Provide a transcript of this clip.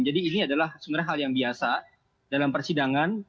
jadi ini adalah sebenarnya hal yang biasa dalam persidangan